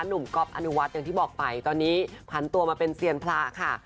ก๊อฟอนุวัฒน์อย่างที่บอกไปตอนนี้ผันตัวมาเป็นเซียนพระค่ะ